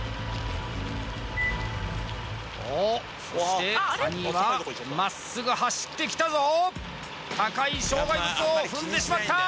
おおそしてサニーは真っすぐ走ってきたぞ高い障害物を踏んでしまった！